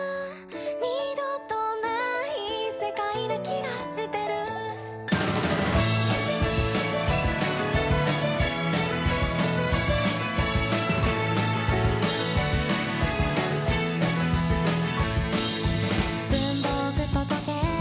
「二度とない世界な気がしてる」「文房具と時計